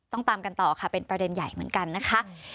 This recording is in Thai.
ตามกันต่อค่ะเป็นประเด็นใหญ่เหมือนกันนะคะ